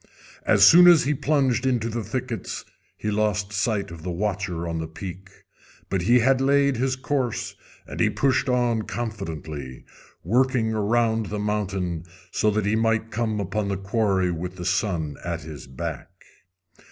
As soon as he plunged into the thickets he lost sight of the watcher on the peak; but he had laid his course, and he pushed on confidently, working around the mountain so that he might come upon the quarry with the sun at his back.